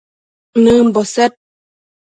nëmbo sed